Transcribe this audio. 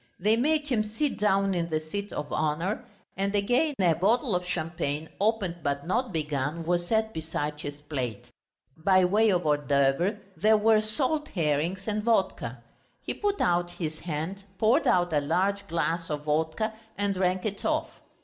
They made him sit down in the seat of honour, and again a bottle of champagne, opened but not begun, was set beside his plate. By way of hors d'oeuvres there were salt herrings and vodka. He put out his hand, poured out a large glass of vodka and drank it off.